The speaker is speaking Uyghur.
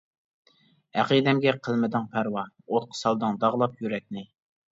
ئەقىدەمگە قىلمىدىڭ پەرۋا، ئوتقا سالدىڭ داغلاپ يۈرەكنى.